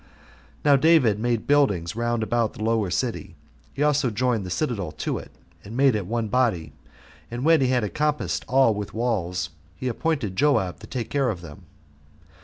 Now David made buildings round about the lower city: he also joined the citadel to it, and made it one body; and when he had encompassed all with walls, he appointed Joab to take care of them.